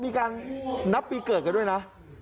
มีการนับปีเกิดกันด้วยนะ